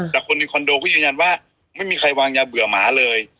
แต่คนในคอนโดก็ยืนยันว่าไม่มีใครวางยาเบื่อหมาเลย